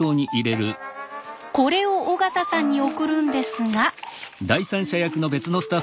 これを尾形さんに送るんですが。